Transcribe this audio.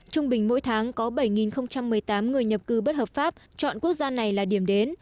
trung bình mỗi tháng có bảy một mươi tám người nhập cư bất hợp pháp chọn quốc gia này là điểm đến